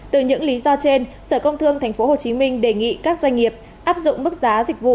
từ những lý do trên sở công thương tp hcm đề nghị các doanh nghiệp áp dụng mức giá dịch vụ